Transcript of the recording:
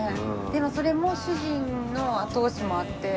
でもそれも主人の後押しもあって。